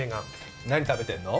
何食べてんの？